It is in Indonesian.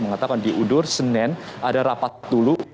mengatakan di udur senin ada rapat dulu